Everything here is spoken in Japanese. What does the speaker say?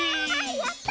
やった！